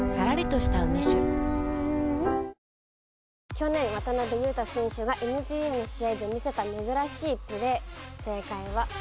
去年渡邊雄太選手がＮＢＡの試合で見せた珍しいプレー正解は。